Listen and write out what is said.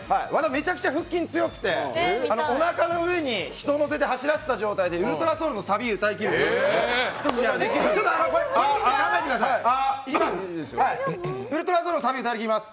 めちゃくちゃ腹筋が強くておなかの上に人を乗せて走らせた状態で「ｕｌｔｒａｓｏｕｌ」のサビを歌い切るという特技があるんです。